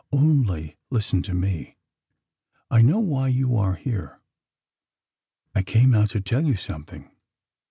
Only listen to me. I know why you are here. I came out to tell you something."